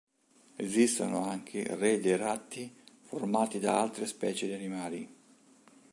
Esistono anche re dei ratti formati da altre specie animali.